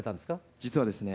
実はですね